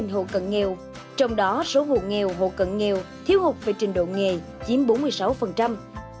bốn mươi tám hộ cận nghèo trong đó số hộ nghèo hộ cận nghèo thiếu hụt về trình độ nghề chiếm bốn mươi sáu